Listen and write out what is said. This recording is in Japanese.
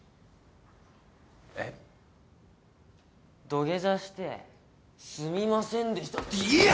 土下座してすみませんでしたって言えや！